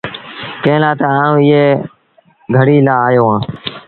ڪݩهݩ لآ تا آئوٚنٚ ايٚئي گھڙيٚ لآ آيو اهآنٚ۔